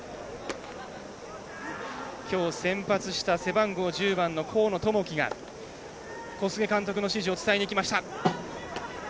きょう、先発した背番号１０番の河野智輝が小菅監督の指示を伝えにいきました。